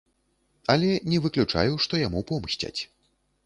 Але не выключаю, што яму помсцяць.